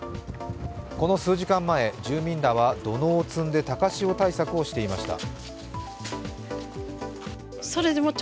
この数時間前、住民らは土のうを積んで高潮対策をしていました。